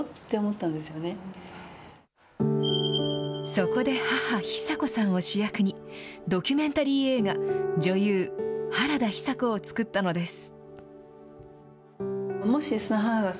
そこで母、ヒサ子さんを主役に、ドキュメンタリー映画、女優原田ヒサ子を作ったのです。